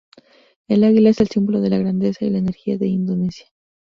El águila es el símbolo de la grandeza y la energía de Indonesia.